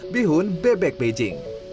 bihun bebek beijing